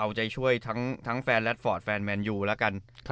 เอาใจช่วยทั้งแฟนแลตฟอร์ดแฟนแมนยูแล้วกัน